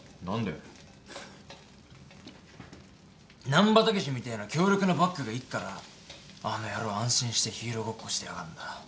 難破猛みてえな強力なバックがいっからあの野郎安心してヒーローごっこしてやがんだ。